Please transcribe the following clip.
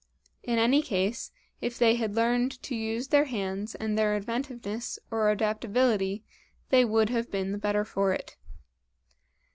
In any case, if they had learned to use their hands and their inventiveness or adaptability, they would have been the better for it.